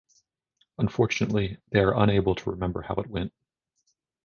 Unfortunately, they are unable to remember how it went.